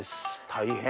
大変。